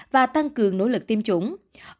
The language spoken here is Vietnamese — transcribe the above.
và tăng cường lượng vaccine